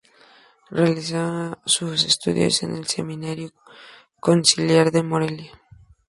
Realizó sus estudios en el Seminario Conciliar de Morelia.